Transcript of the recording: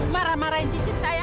marah marahin cicit saya